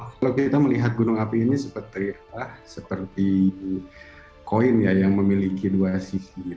kalau kita melihat gunung api ini seperti koin ya yang memiliki dua sisi